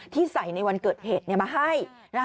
ที่ใส่ในวันเกิดเหตุมาให้